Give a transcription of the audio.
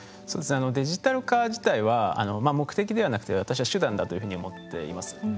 そうですねデジタル化自体は目的ではなくて私は手段だというふうに思っています。